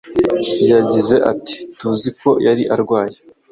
Yagize ati “Tuzi ko yari arwaye.